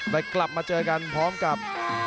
แต่กลับมาเจอกันพร้อมกับ